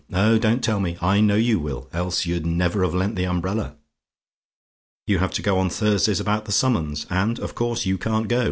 Oh, don't tell me! I know you will. Else you'd never have lent the umbrella! "You have to go on Thursday about that summons and, of course, you can't go.